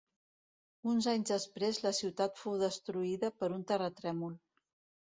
Uns anys després la ciutat fou destruïda per un terratrèmol.